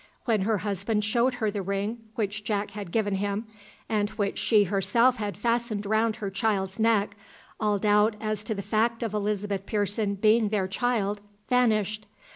When her husband showed her the ring which Jack had given him, and which she herself had fastened round her child's neck, all doubt as to the fact of Elizabeth Pearson being their child, vanished.